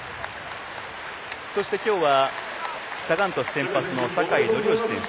そして、きょうはサガン鳥栖先発の酒井宣福選手。